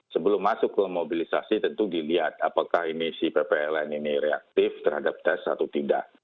sebelum masuk ke mobilisasi tentu dilihat apakah ini si ppln ini reaktif terhadap tes atau tidak